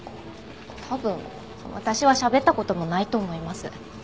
多分私はしゃべった事もないと思います。